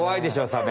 サメ。